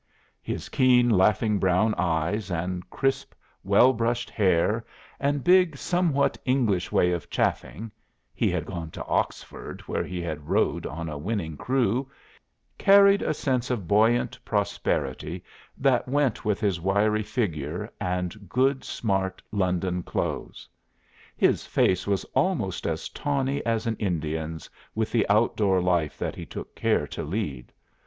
"His keen laughing brown eyes, and crisp well brushed hair, and big somewhat English way of chaffing (he had gone to Oxford, where he had rowed on a winning crew) carried a sense of buoyant prosperity that went with his wiry figure and good smart London clothes. His face was almost as tawny as an Indian's with the outdoor life that he took care to lead.